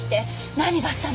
何があったの？